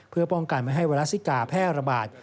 เพื่อป้องกันไม่ให้ไวรัสซิกาแพร่ระบาด